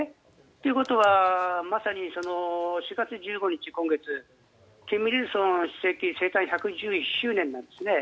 ということは、まさに今月４月１５日金日成主席生誕１１１周年なんですね。